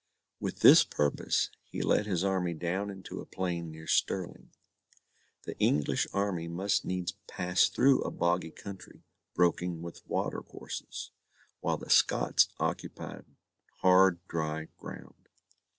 With this purpose, he led his army down into a plain near Stirling. The English army must needs pass through a boggy country, broken with water courses, while the Scots occupied hard dry ground.